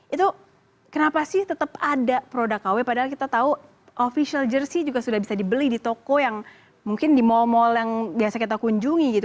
itu kenapa sih tetap ada produk kw padahal kita tahu official jersey juga sudah bisa dibeli di toko yang mungkin di mall mal yang biasa kita kunjungi gitu